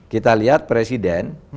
kita lihat presiden